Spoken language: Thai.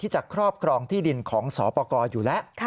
จะครอบครองที่ดินของสปกรอยู่แล้ว